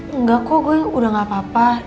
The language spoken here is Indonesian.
enggak kok gue udah gak apa apa